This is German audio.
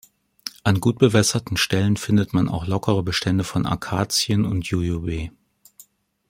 An gut bewässerten Stellen findet man auch lockere Bestände von Akazien und Jujube.